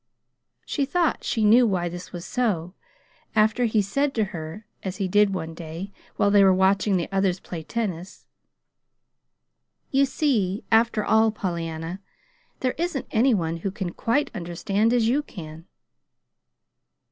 She thought she knew why this was so, after he said to her, as he did say one day, while they were watching the others play tennis: "You see, after all, Pollyanna, there isn't any one who can quite understand as you can."